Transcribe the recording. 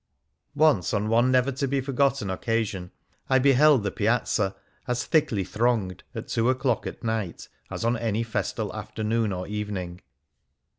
Once, on one never to be forgotten occasion, I beheld the Piazza as thickly thronged at two o'clock at night as on any festal afternoon or evening.